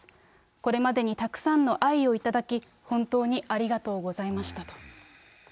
これまでにたくさんの愛を頂き、本当にありがとうございましたと。